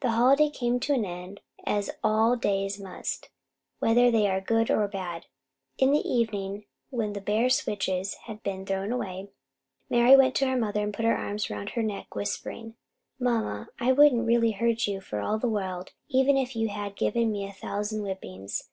The holiday came to an end, as all days must, whether they are good or bad. In the evening, when the bare switches had been thrown away, Mari went to her mother and put her arms around her neck, whispering: "Mamma, I wouldn't really hurt you for the world, even if you had to give me a thousand whippings.